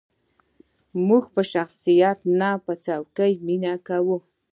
موږ په شخصیت نه، په څوکې مینه کوو.